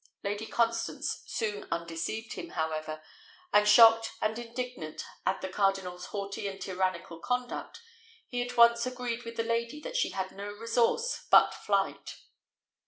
Lady Constance soon undeceived him, however; and shocked and indignant at the cardinal's haughty and tyrannical conduct, he at once agreed with the lady that she had no resource but flight.